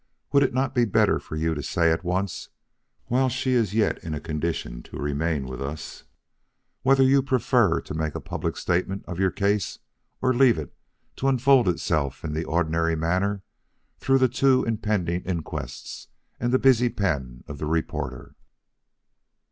Would it not be better for you to say at once while she is yet in a condition to remain with us, whether you prefer to make a public statement of your case or leave it to unfold itself in the ordinary manner through the two impending inquests and the busy pen of the reporter?"